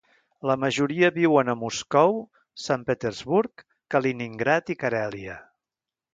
La majoria viuen a Moscou, Sant Petersburg, Kaliningrad i Carèlia.